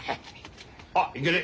あっいけね。